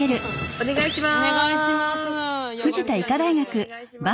お願いします。